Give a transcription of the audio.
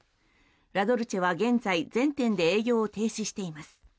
ラドルチェは現在全店で営業を停止しています。